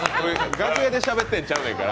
楽屋でしゃべってんちゃうねんから。